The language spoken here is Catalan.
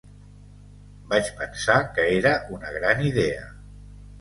Vaig pensar que era una gran idea.